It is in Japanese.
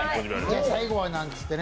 最後はなんつってね。